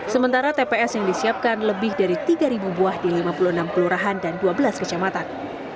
sementara tps yang disiapkan lebih dari tiga buah di lima puluh enam kelurahan dan dua belas kecamatan